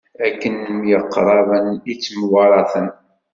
Akken myeqṛaben i ttemwaṛaten.